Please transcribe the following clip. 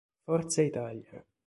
Forza Italia!